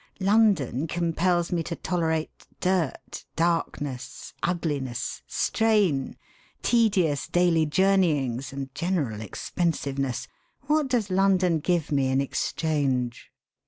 London compels me to tolerate dirt, darkness, ugliness, strain, tedious daily journeyings, and general expensiveness. What does London give me in exchange?'